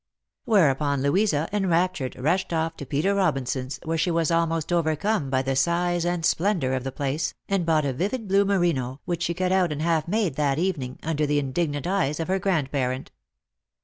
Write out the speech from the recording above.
Whereupon Louisa, enraptured, rushed off to Peter Robin son's, where she was almost overcome by the size and splendour of the place, and bought a vivid blue merino, which she cut out and half made that evening, under the indignant eyes of her grandparent.